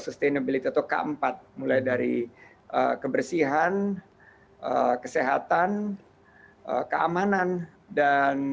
sustainability atau k empat mulai dari kebersihan kesehatan keamanan dan